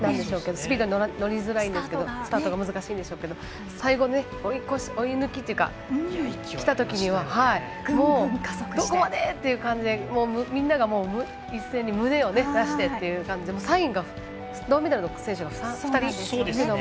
スピードに乗るまでスタートが難しいんでしょうけど最後、追い抜くというか来たときにはどこまでという感じでみんなが一斉に胸を出してという感じで３位、銅メダルの選手が２人いましたけど。